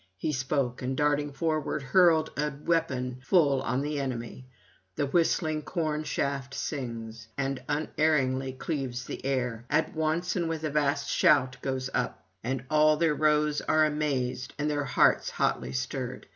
He spoke, and darting forward, hurled a weapon full on the enemy; the whistling cornel shaft sings, and unerringly cleaves the air. At once and with it a vast shout goes up, and all their rows are amazed, and their hearts hotly stirred.